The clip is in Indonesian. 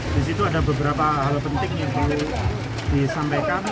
di situ ada beberapa hal penting yang disampaikan